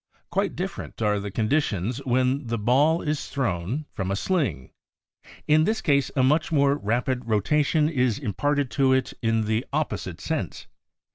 Quite different are the condi tions when the ball is thrown from a sling. In this case a much more rapid rotation is imparted to it in the oppo site sense.